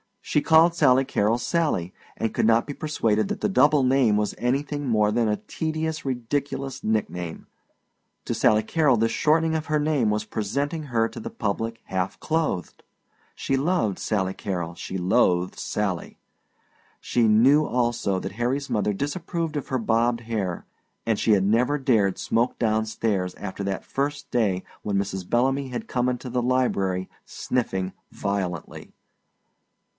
She called Sally Carrol "Sally," and could not be persuaded that the double name was anything more than a tedious ridiculous nickname. To Sally Carrol this shortening of her name was presenting her to the public half clothed. She loved "Sally Carrol"; she loathed "Sally." She knew also that Harry's mother disapproved of her bobbed hair; and she had never dared smoke down stairs after that first day when Mrs. Bellamy had come into the library sniffing violently.